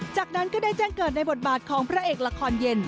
จากนั้นก็ได้แจ้งเกิดในบทบาทของพระเอกละครเย็น